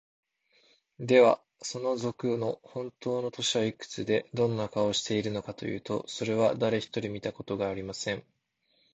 では、その賊のほんとうの年はいくつで、どんな顔をしているのかというと、それは、だれひとり見たことがありません。